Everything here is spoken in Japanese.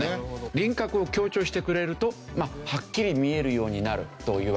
輪郭を強調してくれるとはっきり見えるようになるというわけで。